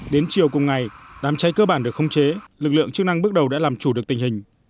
đến chiều cùng ngày đám cháy cơ bản được không chế lực lượng chức năng bước đầu đã làm chủ được tình hình